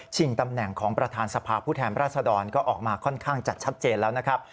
ตำแหน่งของประธานสภาพผู้แทนราชดรก็ออกมาค่อนข้างจะชัดเจนแล้วนะครับ